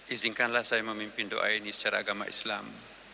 izinkanlah saya memimpin doa ini secara agama islam